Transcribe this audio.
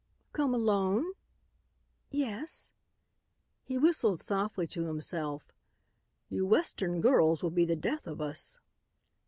"Come alone?" "Yes." He whistled softly to himself, "You western girls will be the death of us."